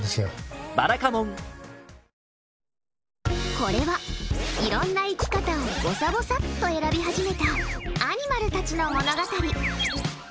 これは、いろんな生き方をぼさぼさっと選び始めたアニマルたちの物語。